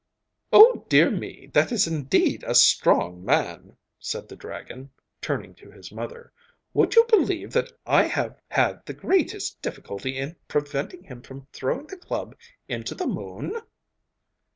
'Oh, dear me, that is indeed a strong man,' said the dragon, turning to his mother. 'Would you believe that I have had the greatest difficulty in preventing him from throwing the club into the moon?